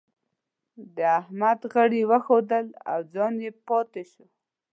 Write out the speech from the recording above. د احمد غړي وښوئېدل او پر ځای پاته شو.